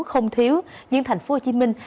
không thiếu nhưng thành phố hồ chí minh